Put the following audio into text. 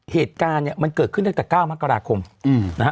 เหตุการณ์เนี่ยมันเกิดขึ้นตั้งแต่๙มกราคมนะฮะ